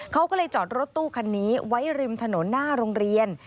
เขาก็เลยจอดรถตู้คันนี้ไว้ริมถนนหน้าโรงเรียน